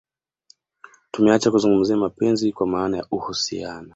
Tumeacha kuzungumzia mapenzi kwa maana ya uhusiano